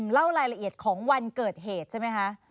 เล่ารายละเอียดของวันเกิดเหตุใช่ไหมคะ